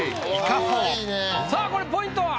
さぁこれポイントは？